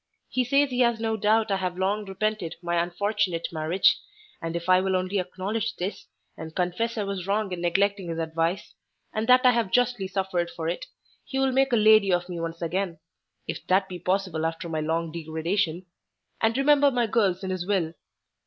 He says he has no doubt I have long repented of my 'unfortunate marriage,' and if I will only acknowledge this, and confess I was wrong in neglecting his advice, and that I have justly suffered for it, he will make a lady of me once again—if that be possible after my long degradation—and remember my girls in his will.